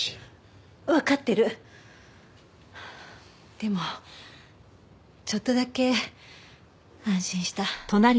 でもちょっとだけ安心した。